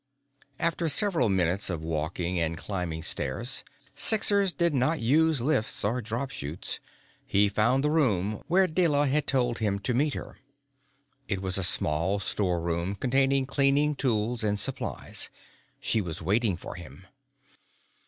After several minutes of walking and climbing stairs Sixers did not use lift chutes or drop chutes he found the room where Deyla had told him to meet her. It was a small storeroom containing cleaning tools and supplies. She was waiting for him.